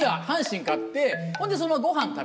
ほんで。